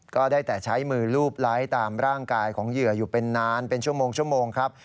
ก็ได้แต่ใช้มือรูปไลค์ตามร่างกายของเหยื่ออยู่เป็นนานเป็นชั่วโมงครับ